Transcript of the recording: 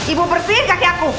ibu bersihin kaki aku